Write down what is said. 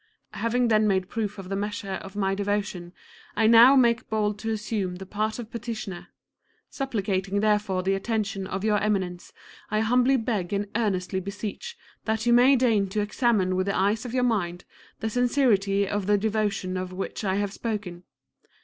Having then made proof of the measure of my devotion, I now make bold to assume the part of petitioner. Supplicating therefore the attention of your Eminence, I humbly beg and earnestly beseech that you may deign to examine with the eyes of your mind the sincerity of the devotion of which I have spoken.